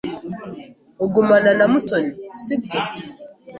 Ugumana na Mutoni, sibyo?